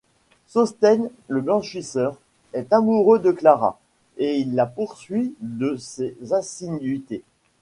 Sosthène, le blanchisseur, est amoureux de Clara et il la poursuit de ses assiduités.